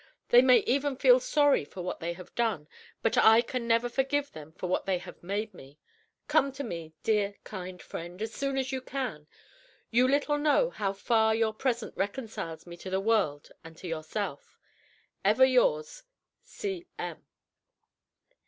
They may even feel sorry for what they have done, but I can never forgive them for what they have made me! Come to me, dear, kind friend, as soon as you can; you little know how far your presence reconciles me to the world and to yourself! Ever yours, C. M.